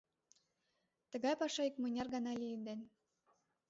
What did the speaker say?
Тыгай паша икмыняр гана лиеден...